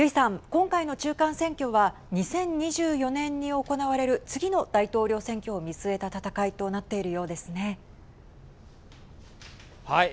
今回の中間選挙は２０２４年に行われる次の大統領選挙を見据えた戦いとなっているようですね。